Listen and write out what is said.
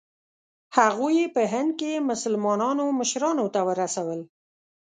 هغوی یې په هند کې مسلمانانو مشرانو ته ورسول.